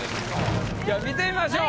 じゃあ見てみましょう。